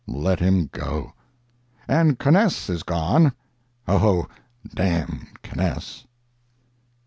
Let him go. And Conness is gone. Oh, d—n Conness!